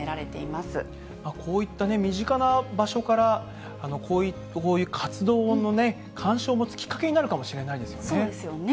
こういった身近な場所から、こういう活動の関心を持つきっかけになるかもしれませんよね。